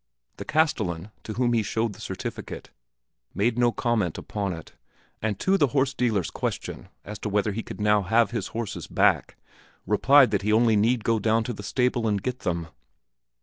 The castellan, to whom he showed the certificate, made no comment upon it, and to the horse dealer's question as to whether he could now have his horses back, replied that he need only go down to the stable and get them.